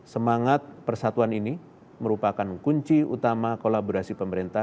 semangat persatuan ini merupakan kunci utama kolaborasi pemerintah